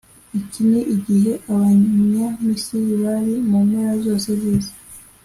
Iki ni igihe abanya Misiri bari mu mpera zose z’isi